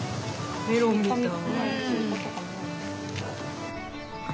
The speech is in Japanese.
メロンみたい。